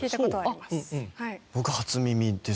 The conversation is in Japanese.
僕初耳です。